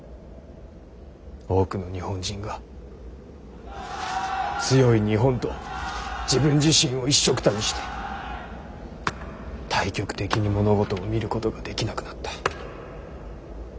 多くの日本人が強い日本と自分自身をいっしょくたにして大局的に物事を見ることができなくなった。